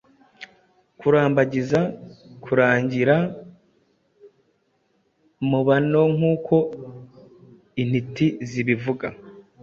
kurambagiza kurangira mubanoNkuko intiti zibivuga